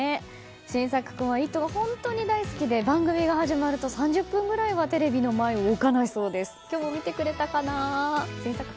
心咲君は「イット！」が本当に大好きで番組が始まると３０分くらいはテレビの前を動かないそうです。